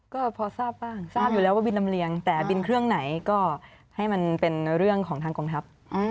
ก็พอทราบบ้างทราบอยู่แล้วว่าบินลำเลียงแต่บินเครื่องไหนก็ให้มันเป็นเรื่องของทางกองทัพ